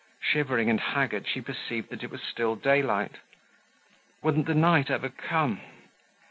Shivering and haggard she perceived that it was still daylight. Wouldn't the night ever come?